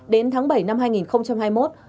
đến tháng bảy năm hai nghìn hai mươi một